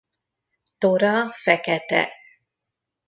Tora fekete.